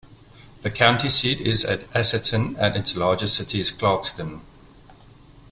The county seat is at Asotin, and its largest city is Clarkston.